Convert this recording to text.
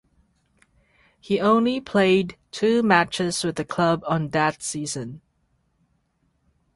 He only played two matches with the club on that season.